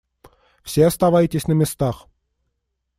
Все оставайтесь на местах.